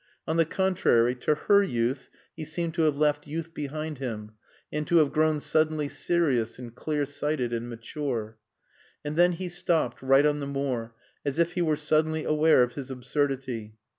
On the contrary, to her youth he seemed to have left youth behind him, and to have grown suddenly serious and clear sighted and mature. And then he stopped, right on the moor, as if he were suddenly aware of his absurdity.